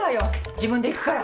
自分で行くから！